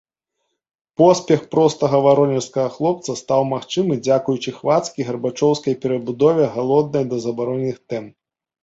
Поспех простага варонежскага хлопца стаў магчымы дзякуючы хвацкі гарбачоўскай перабудове, галоднай да забароненых тэм.